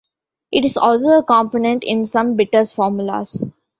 It is also a component in some bitters formulas.